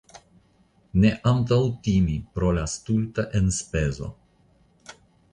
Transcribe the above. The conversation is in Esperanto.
Ne antaŭtimi pro la stulta enspezo .